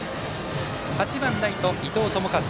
８番ライト、伊藤智一。